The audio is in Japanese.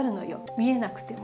見えなくても。